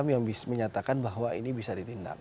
berbeda komnas ham yang menyatakan bahwa ini bisa ditindak